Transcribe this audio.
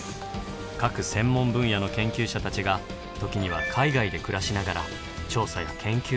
各専門分野の研究者たちが時には海外で暮らしながら調査や研究を行っています。